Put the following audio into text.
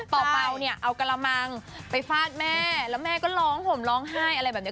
เป่าเนี่ยเอากระมังไปฟาดแม่แล้วแม่ก็ร้องห่มร้องไห้อะไรแบบนี้